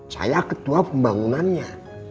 saya ketua pembangunannya